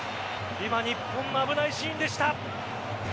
今、日本危ないシーンでした。